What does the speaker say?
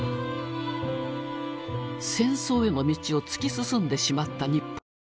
戦争への道を突き進んでしまった日本。